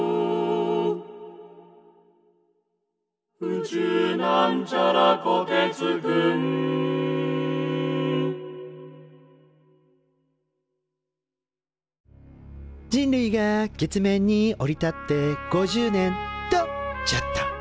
「宇宙」人類が月面に降り立って５０年。とちょっと。